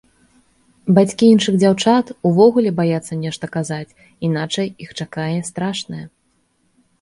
Бацькі іншых дзяўчат увогуле баяцца нешта казаць, іначай іх чакае страшнае.